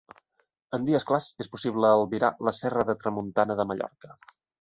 En dies clars és possible albirar la serra de Tramuntana de Mallorca.